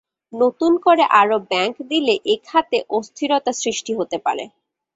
নতুন করে আরও ব্যাংক দিলে এ খাতে অস্থিরতা সৃষ্টি হতে পারে।